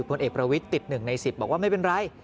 พลเอกประวิทย์ติด๑ใน๑๐บอกว่าไม่เป็นไร